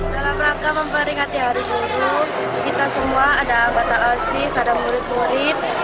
dalam rangka memperingati hari guru kita semua ada bata asis ada murid murid